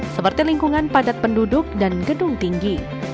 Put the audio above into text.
seperti lingkungan padat penduduk dan gedung tinggi